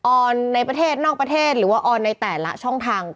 ออนในประเทศนอกประเทศหรือว่าออนในแต่ละช่องทาง